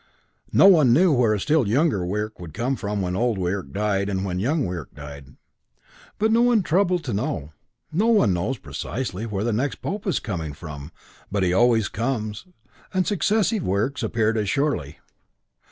No one knew where a still younger Wirk would come from when Old Wirk died and when Young Wirk died. But no one troubled to know. No one knows, precisely, where the next Pope is coming from, but he always comes, and successive Wirks appeared as surely.